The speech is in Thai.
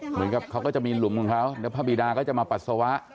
เหมือนกับเขาก็จะมีหลุมของเขาแล้วพระบีดาก็จะมาปัสสาวะ